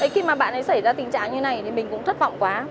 khi mà bạn ấy xảy ra tình trạng như này thì mình cũng thất vọng quá